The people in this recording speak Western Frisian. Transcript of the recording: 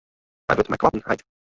Hy wurdt mei koarten heit.